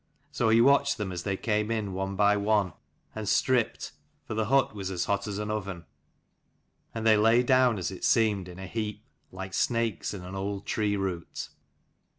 So he watched them as they came in one by one, and stripped, for the hut was as hot as an oven : and they lay down, as it seemed, in a heap, like snakes in an old tree root.